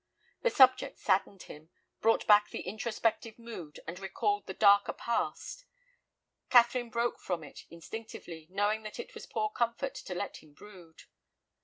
The subject saddened him, brought back the introspective mood, and recalled the darker past. Catherine broke from it instinctively, knowing that it was poor comfort to let him brood.